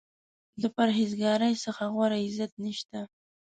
د پرهیز ګارۍ څخه غوره عزت نشته.